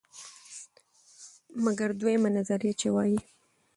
مګر دویمه نظریه، چې وایي: